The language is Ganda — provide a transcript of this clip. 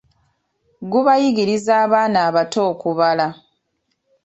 Gubayigiriza abaana abato okubala.